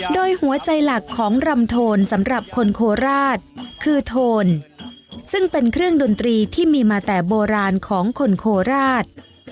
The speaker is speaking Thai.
โดยหัวใจหลักของรำโทนสำหรับคนโคราชคือโทนซึ่งเป็นเครื่องดนตรีที่มีมาแต่โบราณของคนโคราช